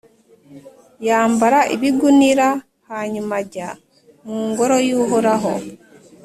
yambara ibigunira, hanyuma ajya mu Ngoro y’Uhoraho.